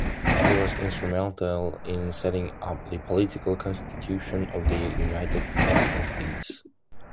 He was instrumental in setting up the political constitution of the United Mexican States.